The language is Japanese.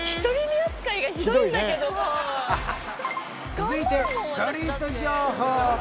続いてストリート情報！